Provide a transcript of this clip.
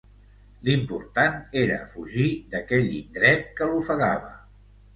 L'important era fugir d'aquell indret que l'ofegava.